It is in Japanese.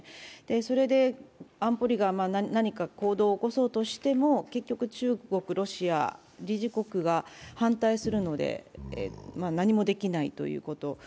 それで安保理が何か行動を起こそうとしても結局中国、ロシア、理事国が反対するので何もできないということ。